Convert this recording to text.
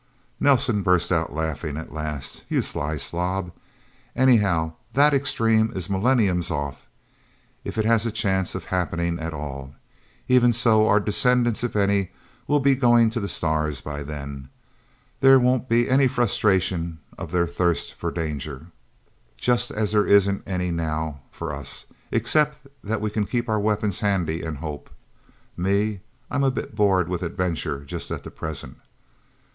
Nelsen burst out laughing, at last. "You sly slob...! Anyhow, that extreme is millenniums off if it has a chance of happening, at all. Even so, our descendants, if any, will be going to the stars by then. There won't be any frustration of their thirst for danger... Just as there isn't any, now, for us. Except that we can keep our weapons handy, and hope... Me I'm a bit bored with adventure, just at present."